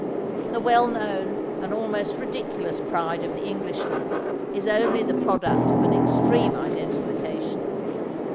The well known and almost ridiculous pride of the Englishman is only the product of an extreme identification.